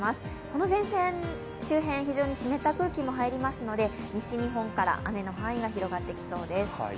この前線周辺、非常に湿った空気も入りますので西日本から雨の範囲が広がってきそうです。